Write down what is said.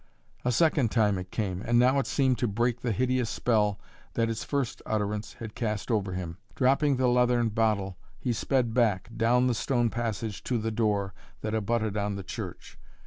A second time it came, and now it seemed to break the hideous spell that its first utterance had cast over him. Dropping the leathern bottle he sped back, down the stone passage to the door that abutted on the church.